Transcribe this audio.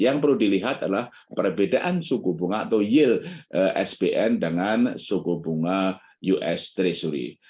yang perlu dilihat adalah perbedaan suku bunga atau yield sbn dengan suku bunga us treasury